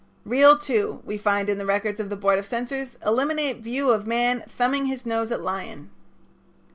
"Reel Two" we find in the records of the Board of Censors "eliminate view of man thumbing his nose at lion."